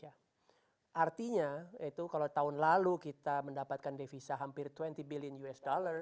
artinya itu kalau tahun lalu kita mendapatkan devisa hampir dua puluh billion usd